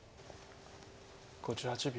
５８秒。